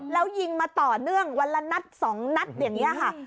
แล้วยิงมาต่อเนื่องวันละนัด๒นัดอย่างนี้ค่ะ